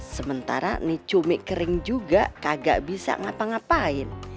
sementara mie cumi kering juga kagak bisa ngapa ngapain